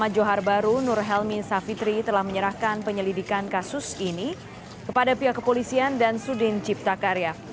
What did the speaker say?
johar baru nurhelmi savitri telah menyerahkan penyelidikan kasus ini kepada pihak kepolisian dan sudin ciptakarya